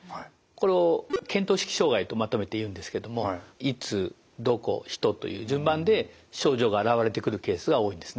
これを見当識障害とまとめていうんですけどもいつどこ人という順番で症状が現れてくるケースが多いんですね。